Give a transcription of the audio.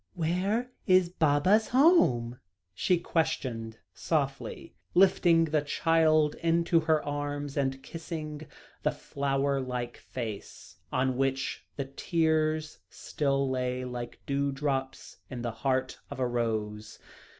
"Where is Baba's home?" she questioned softly, lifting the child right into her arms, and kissing the flower like face, on which the tears still lay like dewdrops in the heart of a rose.